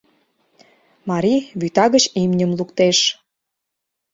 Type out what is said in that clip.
Марий вӱта гыч имньым луктеш.